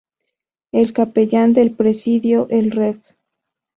El capellán del presidio, el Rev.